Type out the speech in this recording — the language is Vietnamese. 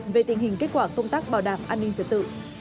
về tình hình kết quả công tác bảo đảm an ninh trật tự